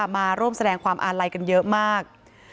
มาร่วมแสดงความอาลัยกันเยอะมาก